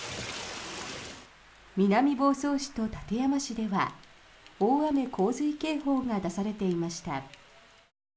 南房総市と館山市では大雨・洪水警報が出されていました。